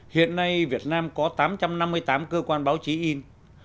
hiện nay việt nam có tám trăm năm mươi tám cơ quan báo chí in